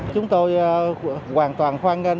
chúng tôi hoàn toàn hoan nghênh